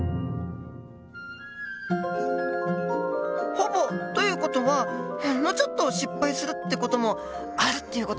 「ほぼ」という事はほんのちょっと失敗するって事もあるっていう事なんでしょうか？